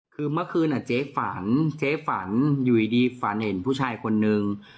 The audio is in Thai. คือเมื่อคืนเจ๊ฝันเจ๊ฝันอยู่ดีฝันเห็นผู้ชายคนนึง